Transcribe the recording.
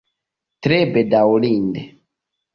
Tre bedaŭrinde.